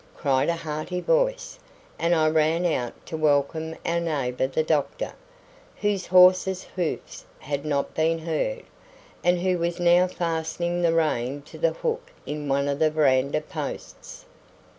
cried a hearty voice, and I ran out to welcome our neighbour the doctor, whose horse's hoofs had not been heard, and who was now fastening the rein to the hook in one of the verandah posts.